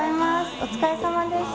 お疲れさまでした。